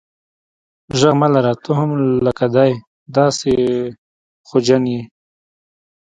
ږغ مه لره ته هم لکه دی داسي خوجن یې.